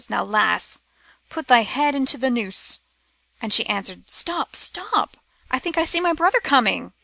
Now, lass, put thy head into t' noose.' " But she answered, * Stop, stop, I think I see my brother coming,' etc.